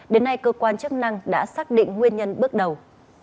đến nay cơ quan chức năng đã xác định nguyên nhân bước đầu